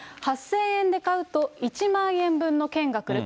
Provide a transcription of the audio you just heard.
８０００円で買うと１万円分の券が来る。